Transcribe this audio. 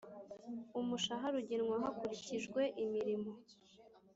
Umushahara ugenwa hakurikijwe imirimo